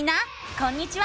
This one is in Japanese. こんにちは！